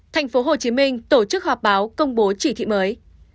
tp hcm tổ chức họp báo công bố chỉ thị mới